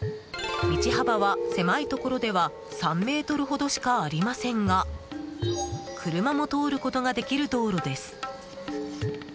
道幅は狭いところでは３ｍほどしかありませんが車も通ることができる道路です。